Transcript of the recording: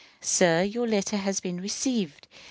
Sir: Your letter has been received.